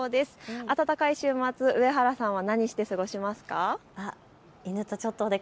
暖かい週末、上原さんは何をして過ごしますか。